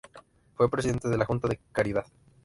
Fue Presidente de la Junta de Caridad.